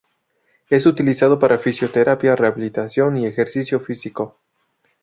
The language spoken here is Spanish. Es utilizado para fisioterapia, rehabilitación y ejercicio físico.